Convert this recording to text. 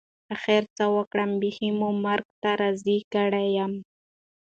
اخر څه وکړم بيخي مو مرګ ته راضي کړى يم.